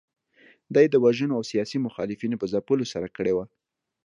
دا یې د وژنو او سیاسي مخالفینو په ځپلو سره کړې وه.